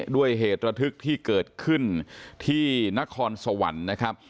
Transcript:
ด้วยเหตุระทึกที่เกิดขึ้นที่นครสวรรค์นะครับ